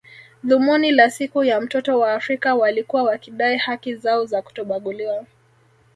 Dhumuni la siku ya mtoto wa Afrika walikuwa wakidai haki zao za kutobaguliwa